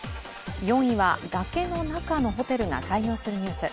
４位は崖の中のホテルが開業するニュース。